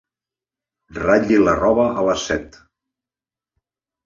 Ratlli la roba a les set.